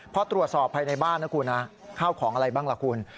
พอตรวจสอบภายในบ้านนะคุณนะข้าวของอะไรบ้างล่ะคุณ